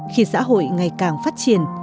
khi xã hội ngày càng phát triển